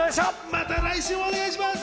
また来週もお願いします。